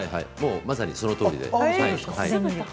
まさにそのとおりです。